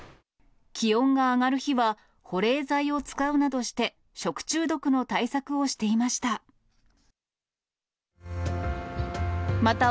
気温が上がる日は、保冷剤を使うなどして、食中毒の対策をしていました。